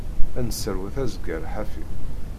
Ad nesserwet azeggar ḥafi.